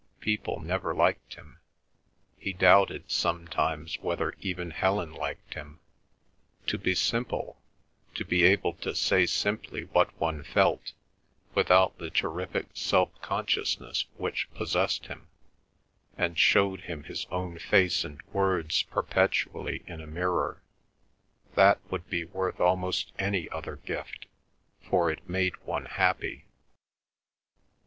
People never liked him; he doubted sometimes whether even Helen liked him. To be simple, to be able to say simply what one felt, without the terrific self consciousness which possessed him, and showed him his own face and words perpetually in a mirror, that would be worth almost any other gift, for it made one happy.